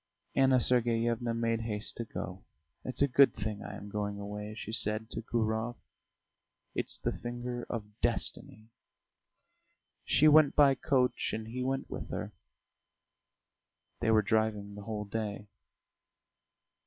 Anna Sergeyevna made haste to go. "It's a good thing I am going away," she said to Gurov. "It's the finger of destiny!" She went by coach and he went with her. They were driving the whole day.